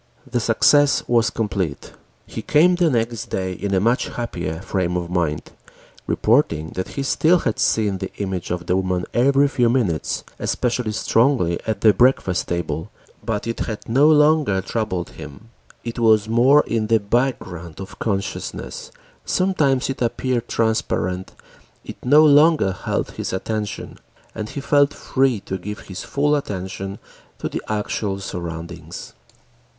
The success was complete. He came the next day in a much happier frame of mind, reporting that he still had seen the image of the woman every few minutes, especially strongly at the breakfast table, but it had no longer troubled him. It was more in the background of consciousness, sometimes it appeared transparent, it no longer held his attention, and he felt free to give his full attention to the actual surroundings.